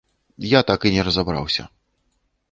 Я так і не разабраўся.